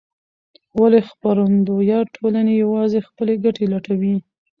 ولې خپرندویه ټولنې یوازې خپلې ګټې لټوي؟